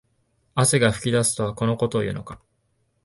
汗が噴き出すとはこのことを言うのか